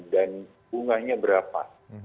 dan bunganya berapa